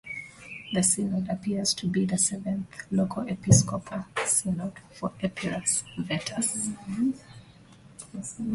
The synod appears to be the seventh local episcopal synod for Epirus Vetus.